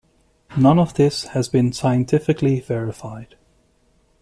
None of this has been scientifically verified.